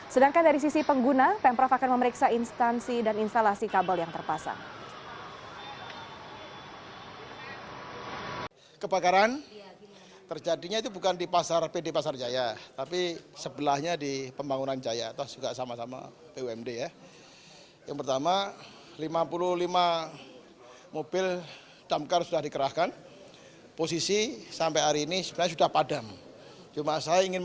sedangkan dari sisi pengguna pemprov akan memeriksa instansi dan instalasi kabel yang terpasang